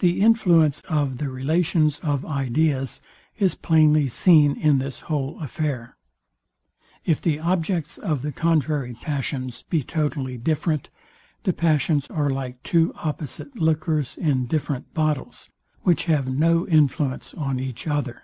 The influence of the relations of ideas is plainly seen in this whole affair. If the objects of the contrary passions be totally different, the passions are like two opposite liquors in different bottles, which have no influence on each other.